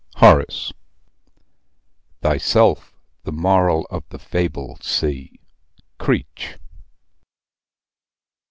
HORACE. Thyself the morain of the fable see. CREECH.